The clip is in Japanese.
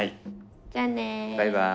じゃあね。バイバイ。